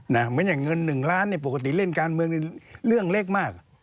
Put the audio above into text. เหมือนอย่างเงิน๑ล้านเนี่ยปกติเล่นการเมืองเรื่องเล็กมาก